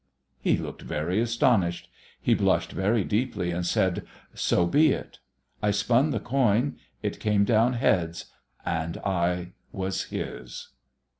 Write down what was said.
He looked very astonished; he blushed very deeply and said, 'So be it.' I spun the coin; it came down heads, and I was his."